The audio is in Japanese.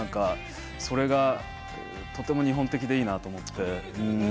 それが日本的でいいなと思って。